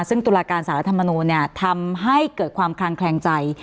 ซึ่งตุลาการสารรัฐมนูลทำให้เกิดความคลางแคลงใจ